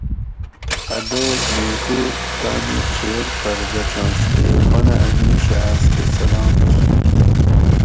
اۤ دوس نیکو تانی کھیر پھر بچنش تے پنہ اَ مِیشہ آس کہ سلام کیر